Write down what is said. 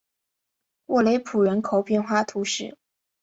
沃雷普人口变化图示